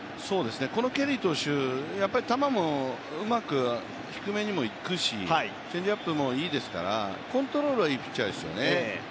このケリー投手、球もうまく低めにもいくし、チェンジアップもいいですから、コントロールはいいピッチャーですよね。